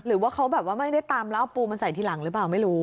หรือว่าเขาแบบว่าไม่ได้ตามแล้วเอาปูมาใส่ทีหลังหรือเปล่าไม่รู้